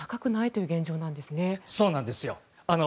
そうなんですよ。